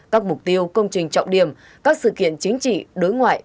các mục tiêu công trình trọng điểm các sự kiện chính trị đối ngoại